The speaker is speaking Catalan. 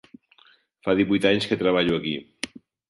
Fa divuit anys que treballo aquí.